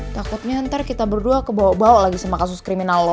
takutnya nanti kita berdua kebawa bawa lagi sama kasus kriminal lo